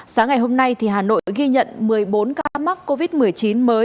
sáng ngày hôm nay hà nội ghi nhận một mươi bốn ca mắc covid một mươi chín mới